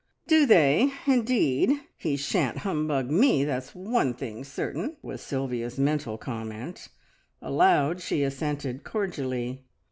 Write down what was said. "Do they, indeed! He shan't humbug me, that's one thing certain!" was Sylvia's mental comment. Aloud she assented cordially.